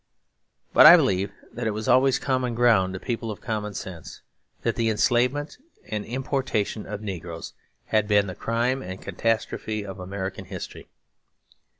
But I believe that it was always common ground to people of common sense that the enslavement and importation of negroes had been the crime and catastrophe of American history.